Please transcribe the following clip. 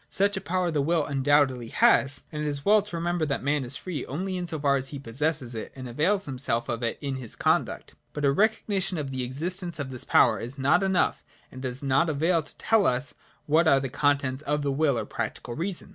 Such a power the will undoubtedly has : and it is well to remember that man is free only in so far as he possesses it and avails himself of it in his conduct. But a recognition of the existence of this power is not enough and does not avail to tell us what are the contents of the will or practical reason.